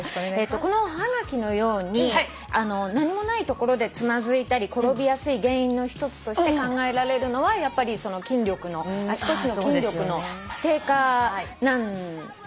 このおはがきのように何もない所でつまずいたり転びやすい原因の一つとして考えられるのはやっぱり足腰の筋力の低下なんだそうです。